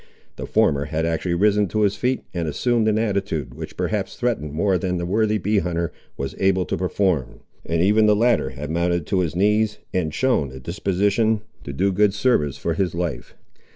The former had actually risen to his feet, and assumed an attitude which perhaps threatened more than the worthy bee hunter was able to perform, and even the latter had mounted to his knees, and shown a disposition to do good service for his life.